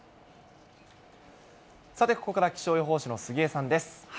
さて、ここから、気象予報士の杉江さんです。